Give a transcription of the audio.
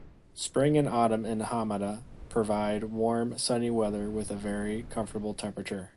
Spring and Autumn in Hamada provide warm, sunny weather with a very comfortable temperature.